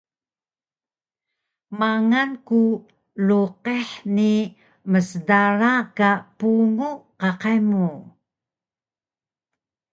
Mangal ku luqih ni msdara ka pungu qaqay mu